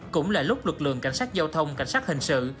cũng là lúc lực lượng cảnh sát giao thông cảnh sát hình sự